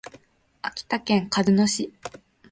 秋田県鹿角市